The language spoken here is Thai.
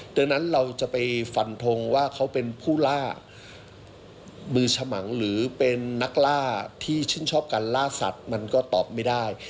ดังนั้นเราจะไปฟันทงว่าเขาเป็นผู้ล่ามือฉมังหรือเป็นนักล่าที่ชื่นชอบการล่าสัตว์มันก็ตอบไม่ได้